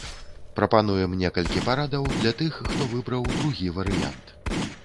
Прапануем некалькі парадаў для тых, хто выбраў другі варыянт.